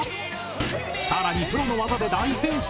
さらにプロの技で大変身！